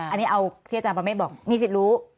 อันนี้เอาที่อาจารย์ประเมฆบอกมีสิทธิ์รู้